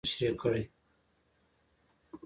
ازادي راډیو د بانکي نظام ستر اهميت تشریح کړی.